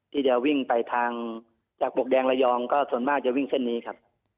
ที่จะวิ่งไปทางจากปวกแดงระยองก็ส่วนมากจะวิ่งเส้นนี้ครับ